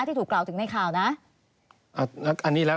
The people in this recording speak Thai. ที่ถูกกล่าวถึงในข่าวนะ